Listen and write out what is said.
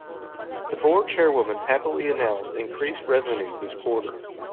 The board chairwoman happily announced increased revenues this quarter.